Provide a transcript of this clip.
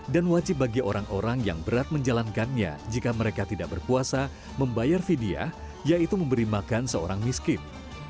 dan wajib bagi orang orang yang berat menjalankannya jika mereka tidak berpuasa membayar vidya yaitu memberi makan seorang miskin